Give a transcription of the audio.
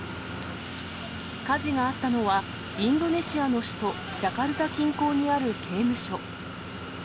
火事があったのは、インドネシアの首都ジャカルタ近郊にある刑務所。